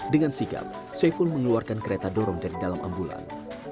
dengan sigap saiful mengeluarkan kereta dorong dari dalam ambulan